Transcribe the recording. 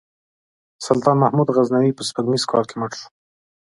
سلطان محمود غزنوي په سپوږمیز کال کې مړ شو.